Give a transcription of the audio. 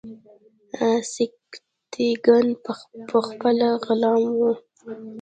سبکتیګن پخپله غلام و.